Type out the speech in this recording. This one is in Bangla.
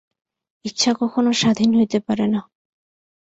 ইচ্ছা কখনও স্বাধীন হইতে পারে না।